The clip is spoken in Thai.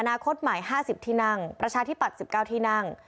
นาคตใหม่๕๐ที่นั่งประชาธิปัตย์๑๙ที่นั่ง